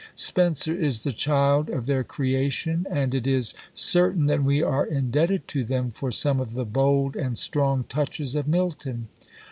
Spenser is the child of their creation; and it is certain that we are indebted to them for some of the bold and strong touches of Milton.